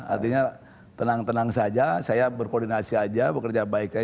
artinya tenang tenang saja saya berkoordinasi aja bekerja baik saja